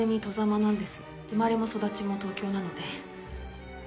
生まれも育ちも東京なので。